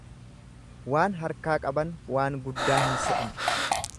Waan harkaa qaban waan guddaa hin se'an.